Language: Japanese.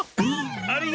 ありが。